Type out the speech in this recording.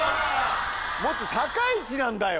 もっと高い位置なんだよ。